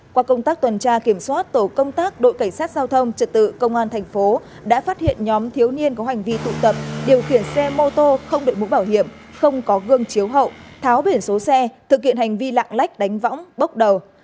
qua công tác tuần tra kiểm soát tổ công tác đội cảnh sát giao thông trật tự công an thành phố đã phát hiện nhóm thiếu niên có hành vi tụ tập điều khiển xe mô tô không đội mũ bảo hiểm không có gương chiếu hậu tháo biển số xe thực hiện hành vi lạng lách đánh võng bốc đầu